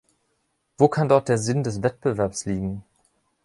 Wo kann dort der Sinn des Wettbewerbs liegen?